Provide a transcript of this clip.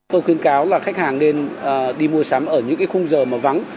tôi khuyên cáo là khách hàng nên đi mua sắm ở những cái khung giờ mà vắng